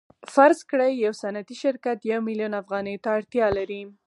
فرض کړئ یو صنعتي شرکت یو میلیون افغانیو ته اړتیا لري